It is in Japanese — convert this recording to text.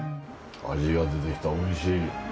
味が出てきたおいしい。